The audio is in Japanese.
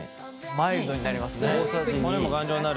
マイルドになりますね。